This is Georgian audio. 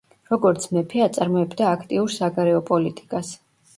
როგორც მეფე, აწარმოებდა აქტიურ საგარეო პოლიტიკას.